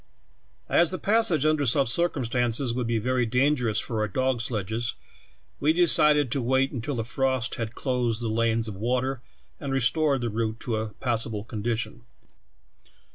"As the passage under such circumstances would be ver^^ dangerous for our dog sledges, we decided to wait until the frost had closed the lanes of water and restored the route to a passable con dition.